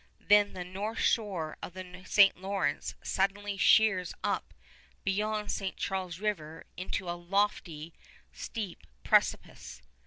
Then the north shore of the St. Lawrence suddenly sheers up beyond St. Charles River into a lofty, steep precipice.